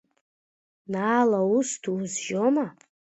Наала ус дузжьома!